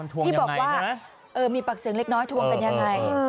ที่บอกว่ามีปากเสียงเล็กน้อยทวงกันยังไง